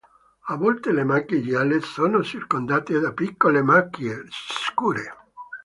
A volte le macchie gialle sono circondate da piccole macchie scure.